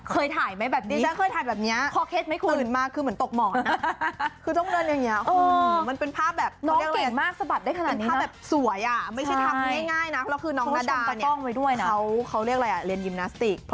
เคยถ่ายไหมค่ะแม้ไข้ที่แสนกล้องเหนือนอ่ะ